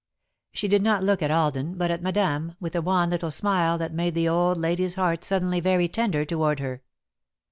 She did not look at Alden, but at Madame, with a wan little smile that made the old lady's heart suddenly very tender toward her.